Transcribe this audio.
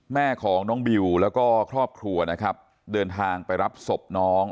แม่ของน้องบิวแล้วก็ครอบครัวนะครับเดินทางไปรับศพน้อง